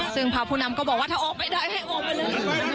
ซึ่งพระผู้นำก็บอกว่าถ้าออกไปได้ให้ออกไปเลย